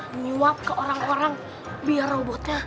menyuap ke orang orang biar robotnya